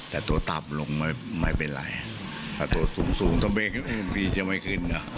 แต่ตัวตับลงไม่เป็นไรแต่ตัวสูงสมบัติจะไม่ขึ้น